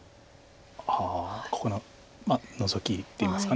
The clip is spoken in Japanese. ああここのノゾキっていいますか。